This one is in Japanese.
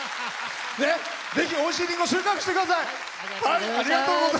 ぜひ、おいしいリンゴ収穫してください！